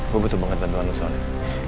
gue butuh banget bantuan lu soalnya